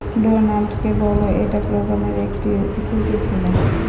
ডোনাল্ডকে বলো, এটা প্রোগ্রামের একটা ত্রুটি ছিল।